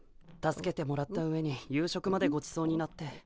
助けてもらったうえに夕食までごちそうになって。